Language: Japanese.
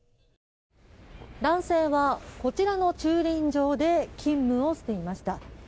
男性はこちらの駐輪場で勤務をしていました。